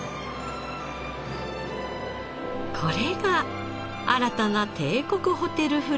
これが新たな帝国ホテルフレンチ。